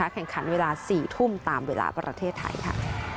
แข่งขันเวลา๔ทุ่มตามเวลาประเทศไทยค่ะ